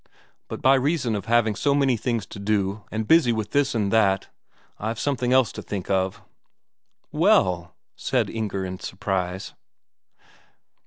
But by reason of having so many things to do, and busy with this and that, I've something else to think of." "Well ...?" said Inger in surprise.